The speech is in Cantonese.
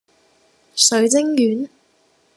水晶丸